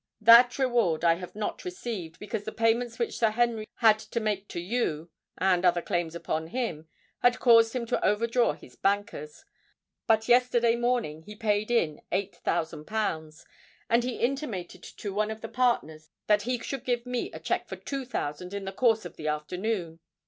"That reward I have not received, because the payments which Sir Henry had to make to you, and other claims upon him, had caused him to overdraw his bankers. But yesterday morning he paid in eight thousand pounds; and he intimated to one of the partners that he should give me a cheque for two thousand in the course of the afternoon.